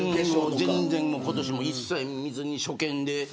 全然、今年も一切見ずに初見で。